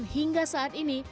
dan hingga saat ini